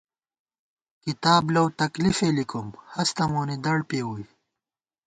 کِتاب لَؤ تکلیفے لِکُم ، ہستہ مونی دڑ پېوُئی